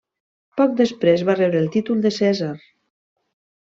Poc després va rebre el títol de cèsar.